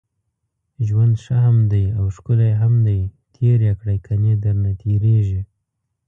ژوند ښه هم دی اوښکلی هم دی تېر يې کړئ، کني درنه تېريږي